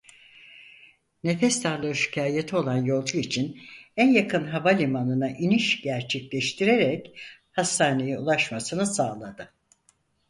Nefes darlığı şikayeti olan yolcu için en yakın havalimanına iniş gerçekleştirerek hastaneye ulaşmasını sağladı.